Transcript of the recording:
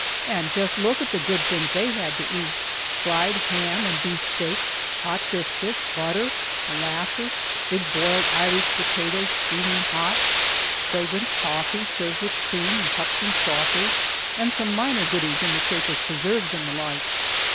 And just look at the good things they had to eat! Fried ham and beefsteak, hot biscuits, butter, molasses, big boiled Irish potatoes steaming hot, fragrant coffee served with cream, in cups and saucers, and some minor goodies in the shape of preserves and the like.